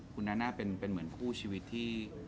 คุณนาน่าเป็นเหมือนคู่ชีวิตที่